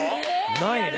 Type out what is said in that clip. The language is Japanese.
ないね。